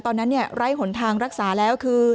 ตอนนั้นไร่หนทางรักษาแล้วคือ